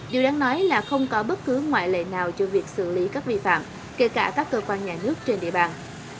điều đáng nói là không có bất cứ ngoại lệ nào cho việc xử lý các vi phạm kể cả các cơ quan nhà nước trên địa bàn